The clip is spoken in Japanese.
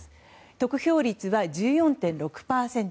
得票率は１４．６％。